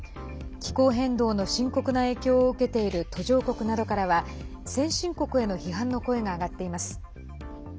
気候変動の深刻な影響を受けている途上国などからは先進国への批判の声が上がっています。